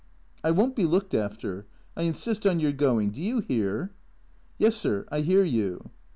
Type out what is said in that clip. " I won't be looked after. I insist on your going. Do you hear ?" "Yes, sir, I hear you."